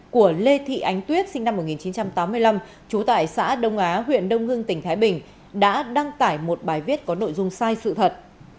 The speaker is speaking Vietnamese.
của lê thị ánh tuyết sinh năm một nghìn chín trăm tám mươi năm trú tại xã đông á huyện đông hưng tỉnh thái bình đã đăng tải một bài viết có nội dung sai sự thật